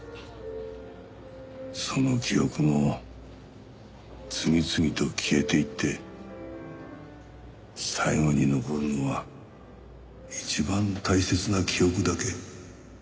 その記憶も次々と消えていって最後に残るのは一番大切な記憶だけ。